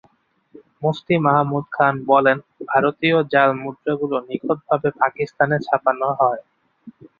মুফতি মাহমুদ খান বলেন, ভারতীয় জাল মুদ্রাগুলো নিখুঁতভাবে পাকিস্তানে ছাপানো হয়।